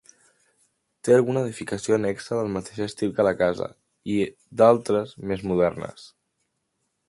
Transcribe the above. Té alguna edificació annexa del mateix estil que la casa i d'altres més modernes.